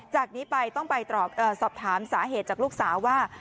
จากนี้ไปต้องไปสอบถามสาเหตุจากลูกสาวว่า